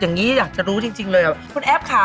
อย่างนี้อยากจะรู้จริงเลยคุณแอฟค่ะ